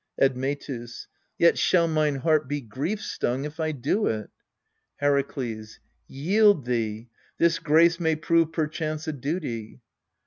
Admetus. Yet shall mine heart be grief stung, if I do it. Herakles. Yield thou ! this grace may prove perchance a duty.